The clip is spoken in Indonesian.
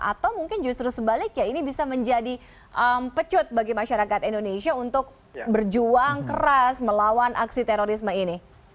atau mungkin justru sebaliknya ini bisa menjadi pecut bagi masyarakat indonesia untuk berjuang keras melawan aksi terorisme ini